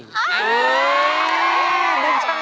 เป็นช่างภาพ